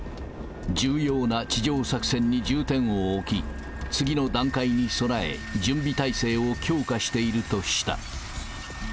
重要な地上作戦に重点を置き、次の段階に備え、準備態勢を強化しているとした。